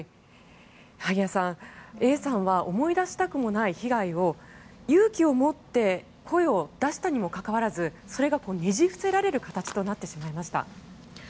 萩谷さん、Ａさんは思い出したくもない被害を勇気を持って声を出したにもかかわらずそれがねじ伏せられる形となってしまいました。